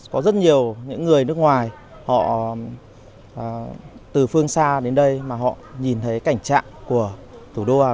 có rất nhiều những người nước ngoài họ từ phương xa đến đây mà họ nhìn thấy cảnh trạng của thủ đô hà nội